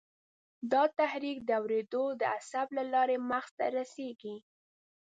دا تحریک د اورېدو د عصب له لارې مغزو ته رسېږي.